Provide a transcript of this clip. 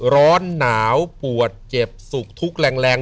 ร้อนหนาวปวดเจ็บสุขทุกข์แรง